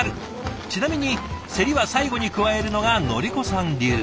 ちなみにせりは最後に加えるのが徳子さん流。